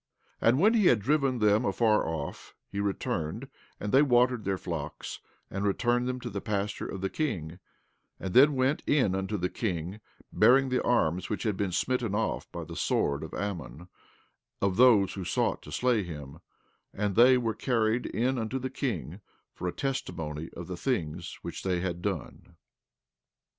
17:39 And when he had driven them afar off, he returned and they watered their flocks and returned them to the pasture of the king, and then went in unto the king, bearing the arms which had been smitten off by the sword of Ammon, of those who sought to slay him; and they were carried in unto the king for a testimony of the things which they had done.